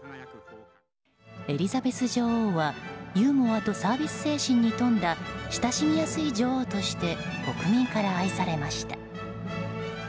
エリザベス女王はユーモアとサービス精神に富んだ親しみやすい女王として国民から愛されました。